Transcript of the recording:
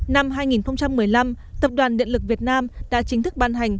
năm hai nghìn một mươi năm tập đoàn điện lực việt nam đã chính thức ban hành